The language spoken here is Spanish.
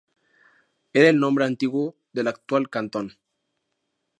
Era el nombre antiguo de la actual Cantón.